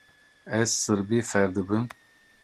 Ez sirbî fêr dibim.